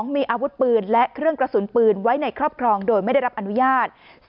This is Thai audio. มีอาวุธปืนและเครื่องกระสุนปืนไว้ในครอบครองโดยไม่ได้รับอนุญาต